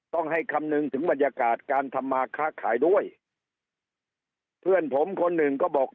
ต้องให้คำนึงถึงบรรยากาศการทำมาค้าขายด้วยเพื่อนผมคนหนึ่งก็บอก